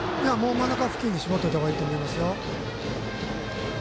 真ん中付近に絞っていった方がいいと思います。